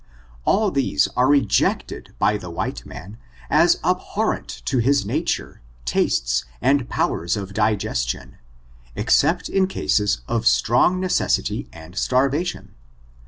All these are rejected by the white man, as abhorrent to his na ture, tastes, and powers of digestion, except in cases of strong necessity and starvation.